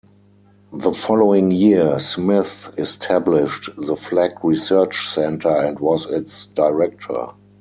The following year, Smith established The Flag Research Center and was its director.